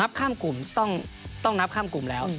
ข้ามกลุ่มต้องนับข้ามกลุ่มแล้ว